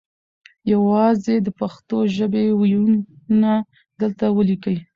یوازې د پښتو ژبې وییونه دلته وليکئ